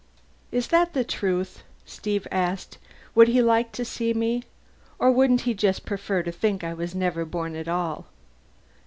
"Is that the truth?" Steve asked. "Would he like to see me? Or wouldn't he just prefer to think I never was born at all?"